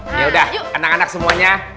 yaudah anak anak semuanya